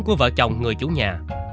của vợ chồng người chủ nhà